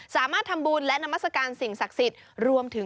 สามารถทำบูรณ์และนามัศกาลสิ่งศักดิ์สิทธิ์